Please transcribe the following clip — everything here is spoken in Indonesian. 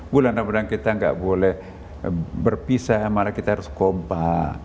bulan ramadhan kita nggak boleh berpisah malah kita harus kompa